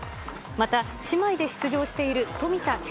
また姉妹で出場している冨田